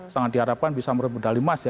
sangat diharapkan bisa merupakan dalim mas ya